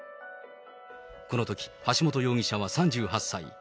このとき橋本容疑者は３８歳。